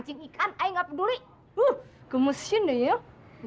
tuhan untuk penonton